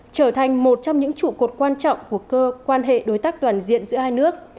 trở thành một trong những trụ cột quan trọng của cơ quan hệ đối tác toàn diện giữa hai nước